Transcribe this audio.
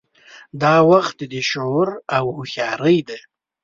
دا وخت د شعور او هوښیارۍ دی.